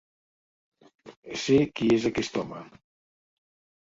Sé qui és aquest home.